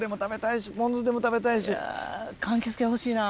かんきつ系欲しいな。